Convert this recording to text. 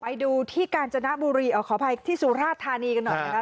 ไปดูที่กาญจนบุรีขออภัยที่สุราชธานีกันหน่อยนะครับ